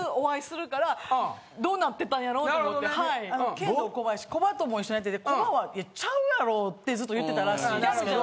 ケンドーコバヤシコバとも一緒にやっててコバは「ちゃうやろ」ってずっと言ってたらしいんですけど。